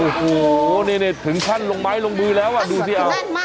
โอ้โหนี่ถึงขั้นลงไม้ลงมือแล้วดูสิเอา